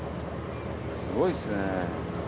すごいっすね。